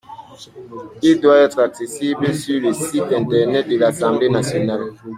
Il doit être accessible sur le site internet de l’Assemblée nationale.